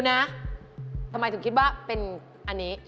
นะทำไมถึงคิดว่าเป็นอันนี้